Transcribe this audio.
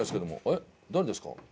えっ誰ですか？